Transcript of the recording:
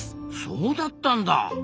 そうだったんだ。